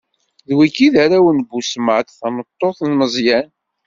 D wigi i d arraw n Busmat, tameṭṭut n Meẓyan.